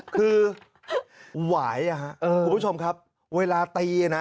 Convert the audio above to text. คือหวายคุณผู้ชมครับเวลาตีนะ